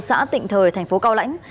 xã tịnh thời thành phố cao lãnh